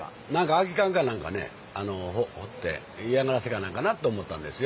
空き缶か何か放って、嫌がらせか何かかなと思ったんですよ。